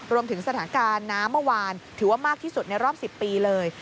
รวมถึงสถานการณ์น้ำเมื่อวานถือว่ามากที่สุดในรอบ๑๐ปีเลย